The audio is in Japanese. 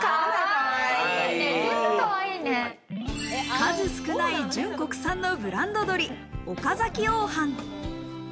数少ない純国産のブランド鶏・岡崎おうはん。